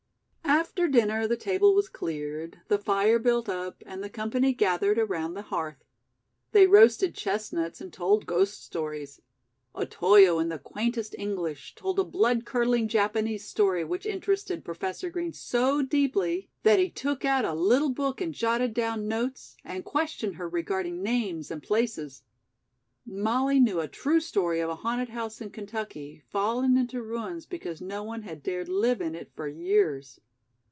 After dinner the table was cleared, the fire built up, and the company gathered around the hearth. They roasted chestnuts and told ghost stories. Otoyo in the quaintest English told a blood curdling Japanese story which interested Professor Green so deeply that he took out a little book and jotted down notes, and questioned her regarding names and places. Molly knew a true story of a haunted house in Kentucky, fallen into ruins because no one had dared live in it for years.